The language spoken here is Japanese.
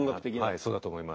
はいそうだと思います。